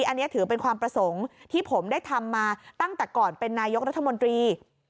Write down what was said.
อันนี้ถือเป็นความประสงค์ที่ผมได้ทำมาตั้งแต่ก่อนเป็นนายกรัฐมนตรี